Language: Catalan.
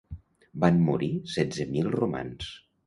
Van morir setze mil romans.